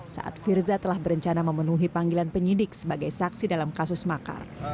saat firza telah berencana memenuhi panggilan penyidik sebagai saksi dalam kasus makar